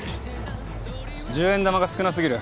１０円玉が少なすぎる。